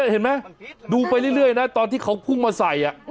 เห็นมั้ยดูไปเรื่อยตอนที่เขาพุ่งมาใส่อ่ะ